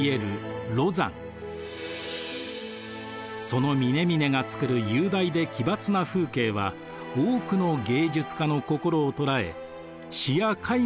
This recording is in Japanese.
その峰々がつくる雄大で奇抜な風景は多くの芸術家の心を捉え詩や絵画の題材になりました。